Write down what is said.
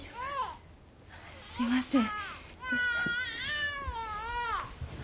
すいません。